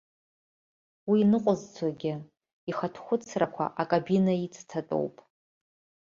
Уи ныҟәызцозгьы ихатәхәыцрақәа акабина ицҭатәоуп.